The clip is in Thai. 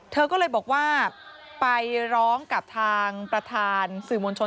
เธอก็เลยบอกว่าไปร้องกับทางประธานสื่อมวลชน